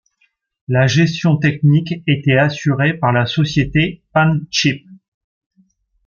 La gestion technique était assurée par la société Panship.